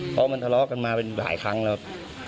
เพราะมันทะเลาะกันมาเป็นหลายครั้งแล้ว